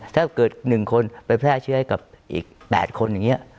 ถ้าเกิด๑คนไปแพร่เชื้อให้กับอีก๘คนอย่างนี้